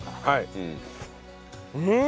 うん！